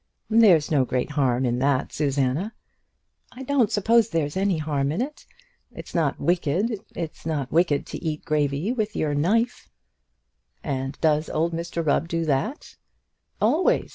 "There's no great harm in that, Susanna." "I don't suppose there's any harm in it. It's not wicked. It's not wicked to eat gravy with your knife." "And does old Mr Rubb do that?" "Always.